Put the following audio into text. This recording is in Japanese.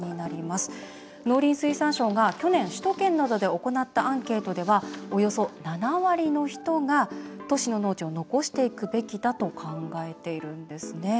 農林水産省が去年、首都圏などで行ったアンケートではおよそ７割の人が都市の農地を残していくべきだと考えているんです。